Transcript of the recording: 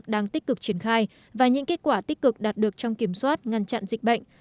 đang tích cực triển khai và những kết quả tích cực đạt được trong kiểm soát ngăn chặn dịch bệnh